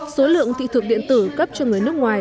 số lượng thị thực điện tử cấp cho người nước ngoài